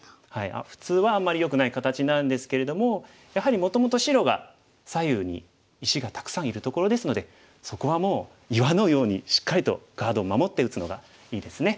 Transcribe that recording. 普通はあんまりよくない形なんですけれどもやはりもともと白が左右に石がたくさんいるところですのでそこはもう岩のようにしっかりとガードを守って打つのがいいですね。